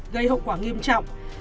gây hậu quả nghiêm trọng